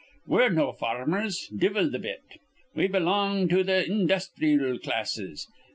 We're no farmers, divvle th' bit. We belong to th' industhreel classes.